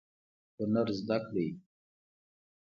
هنر زده کړئ